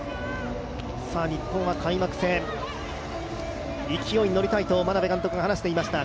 日本は開幕戦、勢いに乗りたいと眞鍋監督が話していました。